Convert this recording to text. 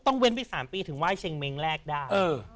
เว้นไป๓ปีถึงไห้เชงเม้งแรกได้